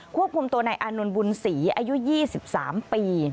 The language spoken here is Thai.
ควบคุมตัวนายอานนท์บุญศรีอายุ๒๓ปี